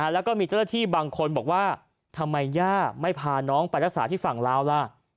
แล้วก็มีเจ้าหน้าที่บางคนบอกว่าทำไมย่าไม่พาน้องไปรักษาที่ฝั่งลาวล่ะ